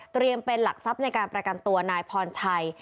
เป็นหลักทรัพย์ในการประกันตัวนายพรชัย